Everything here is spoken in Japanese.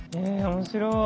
面白い。